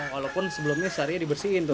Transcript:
walaupun sebelumnya seharian dibersihin tuh